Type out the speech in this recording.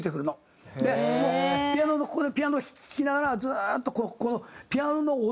でもうピアノのここでピアノを聴きながらずっと。